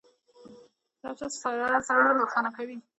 کتابچه سره زړونه روښانه کېږي